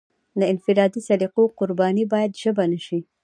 د انفرادي سلیقو قرباني باید ژبه نشي.